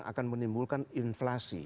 itu akan menimbulkan inflasi